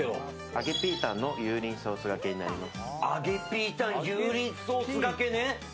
揚げピータンの油淋ソースがけになります。